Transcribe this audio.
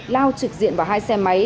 lao trực diện vào hai xe máy